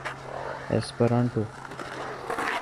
Esperanto